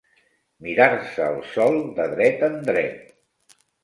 Mirar-se el sol de dret en dret.